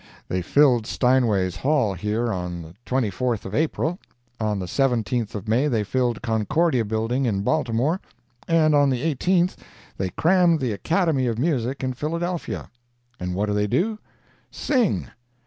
They filled Steinway's Hall here on the 24th of April; on the 17th of May they filled Concordia Building, in Baltimore; and on the 18th they crammed the Academy of Music in Philadelphia. And what do they do? Sing!